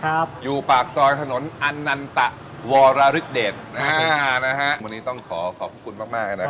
ครับอยู่ปากทรอยถนนอันตะฟอราริดเดชอ่านะฮะวันนี้ต้องขอขอบคุณมากนะครับ